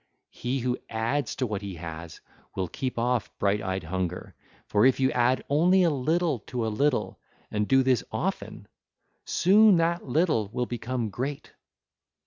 He who adds to what he has, will keep off bright eyed hunger; for if you add only a little to a little and do this often, soon that little will become great.